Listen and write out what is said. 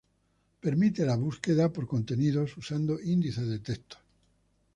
Permite la búsqueda por contenido usando índice de textos.